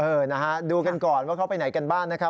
นะฮะดูกันก่อนว่าเขาไปไหนกันบ้างนะครับ